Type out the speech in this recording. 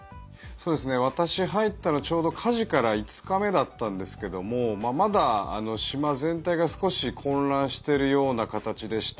私、入ったのがちょうど火事から５日目だったんですけどもまだ島全体が少し混乱しているような形でした。